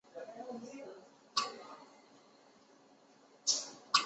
德美关系是指德国和美国间的外交关系。